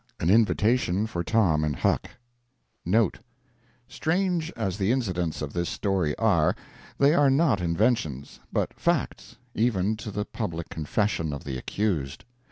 AN INVITATION FOR TOM AND HUCK [Note: Strange as the incidents of this story are, they are not inventions, but facts—even to the public confession of the accused.